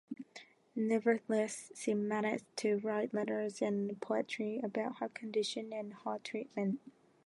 Nevertheless, she managed to write letters and poetry about her condition and her treatment.